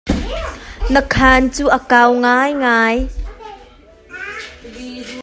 Na khan cu a kau ngai ngai.